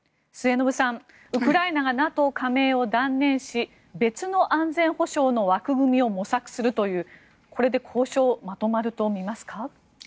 末延さん、ウクライナがＮＡＴＯ加盟を断念し別の安全保障の枠組みを模索するというこれで交渉はまとまると見ますか？